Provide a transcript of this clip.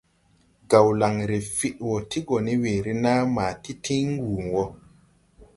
Gawlanre fid wɔ ti go ne weere naa ma ti tin wuu woo.